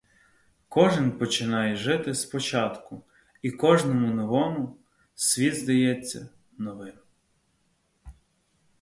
Кожен починає жити спочатку і кожному новому світ здається новим.